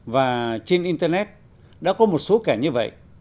và trên internet đã có một số kẻ như vậy